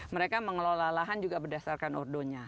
mereka mengelola lahan juga berdasarkan ordonya